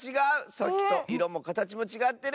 さっきといろもかたちもちがってる！